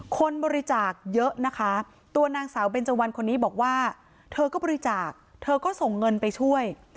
คนบริจาคเยอะนะคะตัวนางสาวเบนเจวันคนนี้บอกว่าเธอก็บริจาคเธอก็ส่งเงินไปช่วย